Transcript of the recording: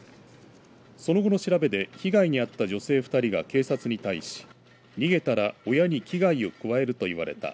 その後の調べで被害に遭った女性２人が警察に対し逃げたら親に危害を加えると言われた。